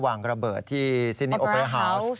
วางระเบิดที่ซิดนี่โอปเปอราเฮาส์